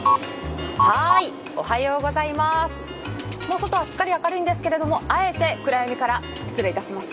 外はすっかり明るいんですけどあえて暗闇から失礼します。